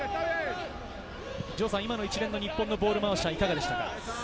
今の一連の日本のボール回しはいかがですか。